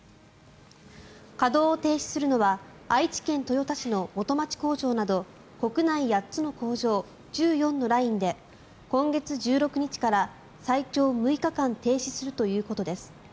稼働を停止するのは愛知県豊田市の元町工場など国内８つの工場１４のラインで今月１６日から最長６日間停止するということです。